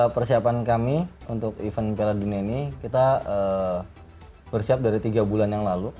persiapan kami untuk event piala dunia ini kita bersiap dari tiga bulan yang lalu